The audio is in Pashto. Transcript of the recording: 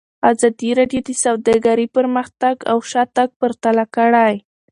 ازادي راډیو د سوداګري پرمختګ او شاتګ پرتله کړی.